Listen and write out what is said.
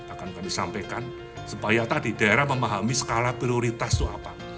akan kami sampaikan supaya tadi daerah memahami skala prioritas itu apa